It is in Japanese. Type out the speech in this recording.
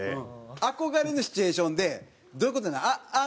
憧れのシチュエーションでどういう事なん？